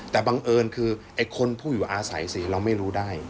แต่บังเอิญคือไอ้คนผู้อยู่อาศัยสิเราไม่รู้ได้